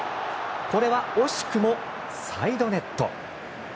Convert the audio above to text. これは惜しくもサイドネット。